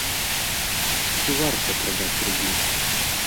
Ці варта прадаць рублі?